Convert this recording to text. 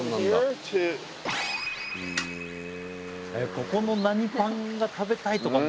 ここの何パンが食べたいとか。